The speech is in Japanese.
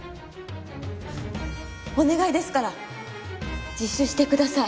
お願いですから自首してください。